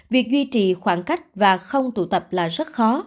việc duy trì khoảng cách và không tụ tập là rất khó